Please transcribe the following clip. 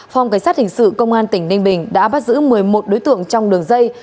phòng cảnh sát hình sự công an tỉnh ninh bình đã bắt giữ một mươi một đối tượng trong đường dây